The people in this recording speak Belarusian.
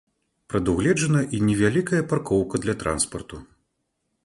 Прадугледжана і невялікая паркоўка для транспарту.